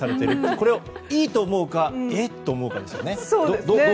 これをいいと思うかえっと思うかですよね。